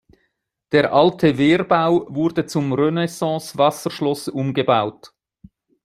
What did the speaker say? Der alte Wehrbau wurde zum Renaissance-Wasserschloss umgebaut.